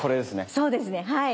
そうですねはい。